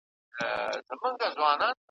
ویل زما پر وینا غوږ نیسۍ مرغانو ,